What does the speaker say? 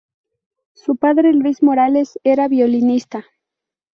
Su padre, Luis Morales era violinista.